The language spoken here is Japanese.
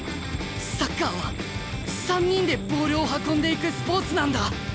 サッカーは３人でボールを運んでいくスポーツなんだ。